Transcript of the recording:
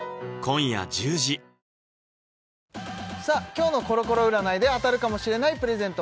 今日のコロコロ占いで当たるかもしれないプレゼント